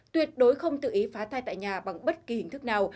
tuyệt đối không tự ý phá thai tại nhà bằng bất kỳ hình thức nào